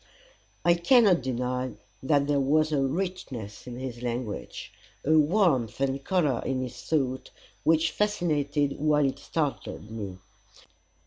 I cannot deny that there was a richness in his language, a warmth and colour in his thought, which fascinated while it startled me.